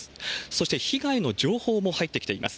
そして被害の情報も入ってきています。